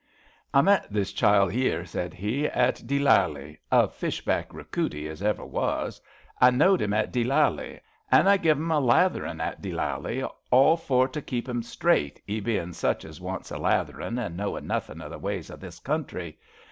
I met this child 'ere,'' said he, at Deelally — a fish back recruity as ever was. I knowed 'im at Deelally, and I give 'im a latherin' at Deelally all for to keep 'im straight, 'e bein' such as wants a latherin' an' knowin' nuthin' o' the ways o' this country.